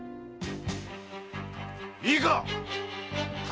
いいかっ！